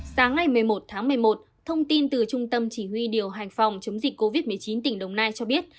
sáng ngày một mươi một tháng một mươi một thông tin từ trung tâm chỉ huy điều hành phòng chống dịch covid một mươi chín tỉnh đồng nai cho biết